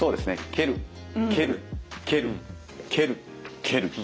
蹴る蹴る蹴る蹴る蹴る。